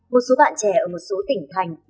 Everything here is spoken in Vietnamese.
một số bạn trẻ ở một số tỉnh thành